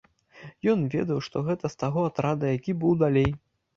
Ён ведаў, што гэта з таго атрада, які быў далей.